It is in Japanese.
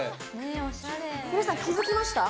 皆さん気付きました？